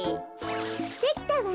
できたわ。